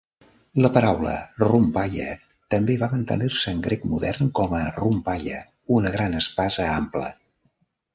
La paraula rhomphaia també va mantenir-se en grec modern com a rhomphaia, una "gran espasa ampla".